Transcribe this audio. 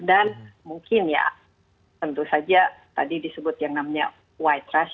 dan mungkin ya tentu saja tadi disebut yang namanya white rush